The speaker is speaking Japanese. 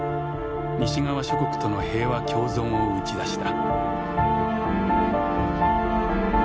西側諸国との平和共存を打ち出した。